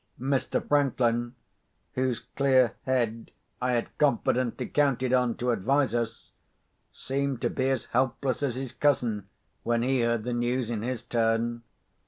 Mr. Franklin, whose clear head I had confidently counted on to advise us, seemed to be as helpless as his cousin when he heard the news in his turn.